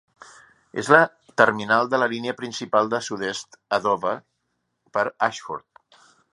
És la terminal de la línia principal del sud-est a Dover per Ashford.